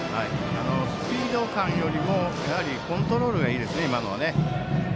スピード感よりもコントロールがいいですね。